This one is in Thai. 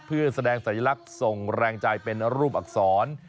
เพื่อแสดงสัญลักษณ์ส่งแรงใจเป็นรูปอักษร